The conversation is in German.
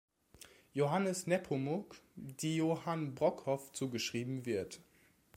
Johannes Nepomuk, die Johann Brokoff zugeschrieben wird.